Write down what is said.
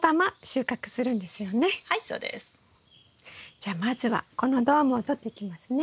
じゃあまずはこのドームを取っていきますね。